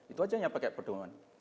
itu saja yang pakai perdomuan